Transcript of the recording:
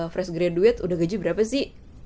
fresh graduate udah gaji berapa sih